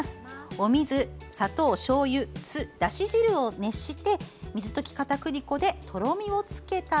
お水、砂糖、しょうゆ、酢だし汁を熱して水溶きかたくり粉でとろみをつけたら。